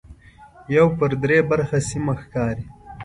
یو پر درې برخه سیمه ښکاري.